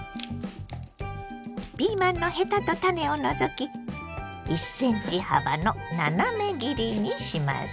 ピーマンのヘタと種を除き１ｃｍ幅の斜め切りにします。